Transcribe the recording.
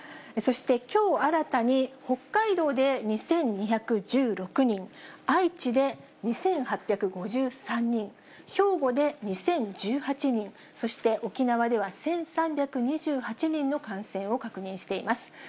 そしてきょう新たに、北海道で２２１６人、愛知で２８５３人、兵庫で２０１８人、そして沖縄では１３２８人の感染を確認しています。